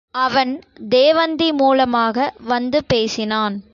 அவன் தேவந்தி மூலமாக வந்து பேசினான்.